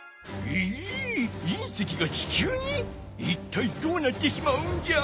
いったいどうなってしまうんじゃ？